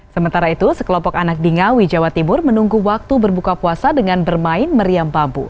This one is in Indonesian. sementara itu sekelompok anak di ngawi jawa timur menunggu waktu berbuka puasa dengan bermain meriam bambu